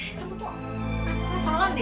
kamu tuh ada masalah ndi